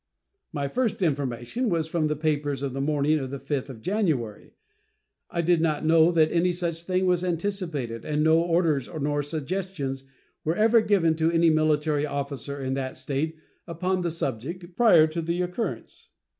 My first information was from the papers of the morning of the 5th of January. I did not know that any such thing was anticipated, and no orders nor suggestions were ever given to any military officer in that State upon that subject prior to the occurrence.